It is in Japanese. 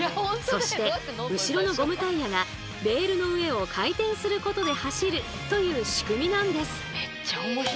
そして後ろのゴムタイヤがレールの上を回転することで走るという仕組みなんです。